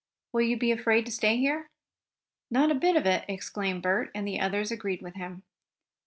Will you be afraid to stay here?" "Not a bit of it!" exclaimed Bert, and the others agreed with him.